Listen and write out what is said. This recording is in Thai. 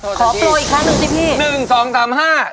โทรทันทีขอโทรอีกครั้งหนึ่งสิพี่